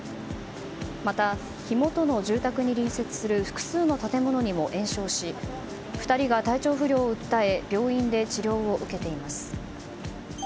また、火元の住宅に隣接する複数の建物にも延焼し２人が体調不良を訴え病院で治療を受けています。